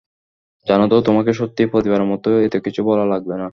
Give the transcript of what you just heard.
জানো তো, তোমাকে সত্যিই, প্রতিবারের মতো এতকিছু বলা লাগবে না।